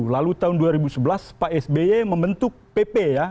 lalu tahun dua ribu sebelas pak sby membentuk pp ya